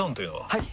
はい！